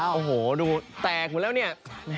โอ้โหดูแตกอยู่แล้วเนี่ย